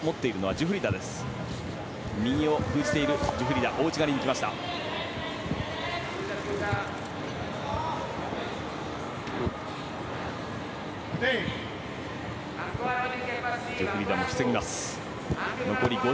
ジュフリダも防ぎます。